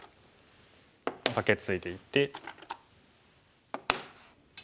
カケツイでいて。